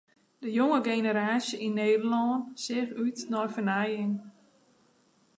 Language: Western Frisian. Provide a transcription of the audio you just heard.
De jonge generaasje yn Nederlân seach út nei fernijing.